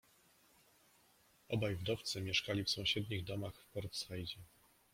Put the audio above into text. Obaj wdowcy mieszkali w sąsiednich domach w Port-Saidzie.